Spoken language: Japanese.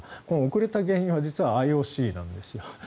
遅れた原因は実はＩＯＣなんですよ。